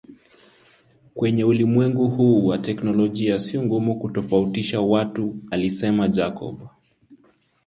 Kwenye uliwengu huu wa teknolojia sio ngumu kutofautisha watu alisema Jacob